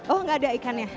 oh gak ada ikannya